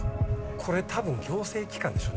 これたぶん行政機関でしょ。